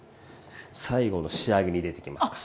最後の仕上げに出てきますから。